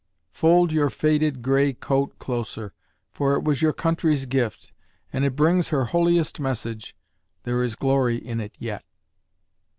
Fold your faded gray coat closer, for It was your country's gift, And it brings her holiest message There is glory in it yet.